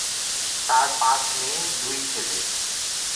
তার পাঁচ মেয়ে, দুই ছেলে।